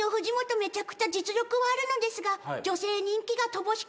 めちゃくちゃ実力はあるのですが女性人気が乏しく。